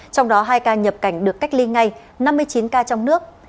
trong đó hai ca nhập cảnh được cách ly ngay năm mươi chín ca trong nước